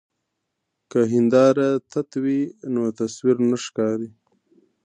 که هنداره تت وي نو تصویر نه ښکاري.